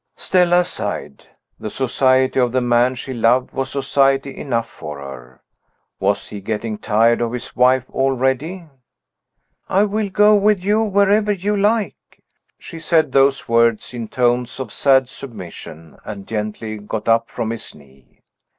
Stella sighed. The society of the man she loved was society enough for her. Was he getting tired of his wife already? "I will go with you wherever you like." She said those words in tones of sad submission, and gently got up from his knee.